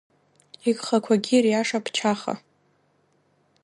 Игхақәагьы ириашап Чаха…